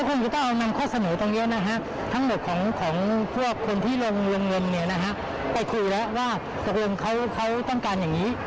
เพราะฉะนั้นจนไปจายังไง